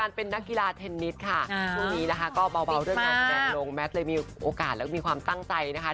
โรงแมทเลยมีโอกาสและมีความตั้งใจนะคะ